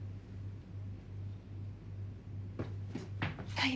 はい。